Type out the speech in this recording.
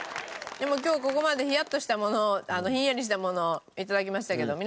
でも今日ここまでヒヤッとしたものひんやりしたもの頂きましたけど皆さんどうですか？